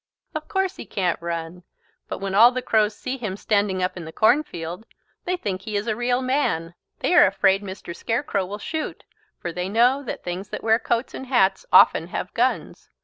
"Of course he can't run. But when all the Crows see him standing up in the cornfield they think he is a real man. They are afraid Mr. Scarecrow will shoot. For they know that things that wear coats and hats often have guns.